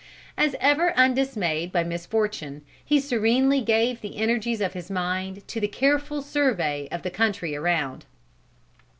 As ever undismayed by misfortune, he serenely gave the energies of his mind to the careful survey of the country around.